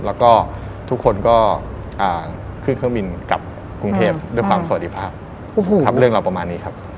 แล้วก็ทุกคนก็ขึ้นเครื่องบินกลับกรุงเทพด้วยความสวัสดีภาพครับเรื่องเราประมาณนี้ครับ